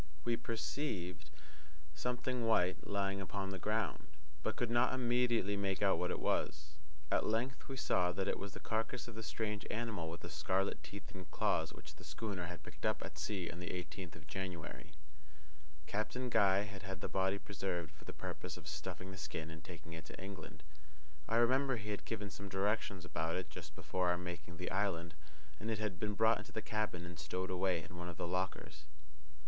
We perceived something white lying upon the ground, but could not immediately make out what it was. At length we saw that it was the carcass of the strange animal with the scarlet teeth and claws which the schooner had picked up at sea on the eighteenth of January. Captain Guy had had the body preserved for the purpose of stuffing the skin and taking it to England. I remember he had given some directions about it just before our making the island, and it had been brought into the cabin and stowed away in one of the lockers.